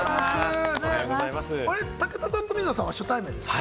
武田さんと水野さんは初対面ですか？